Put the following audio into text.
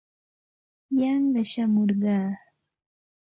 Yanqa shamurqaa.